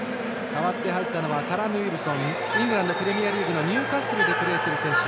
代わって入ったのはカラム・ウィルソンイングランドプレミアリーグのニューカッスルでプレーする選手。